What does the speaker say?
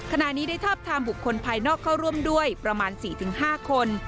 ขณะนี้ได้ทาบทามบุคคลภายนอกเข้าร่วมด้วยประมาณ๔๕คน